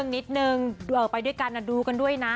นิดนึงไปด้วยกันดูกันด้วยนะ